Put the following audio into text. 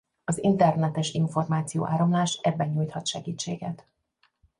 Az internetes információ áramlás ebben nyújthat segítséget.